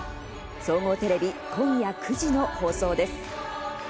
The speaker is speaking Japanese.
総合テレビ、今夜９時の放送です。